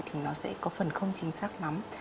thì nó sẽ có phần không chính xác lắm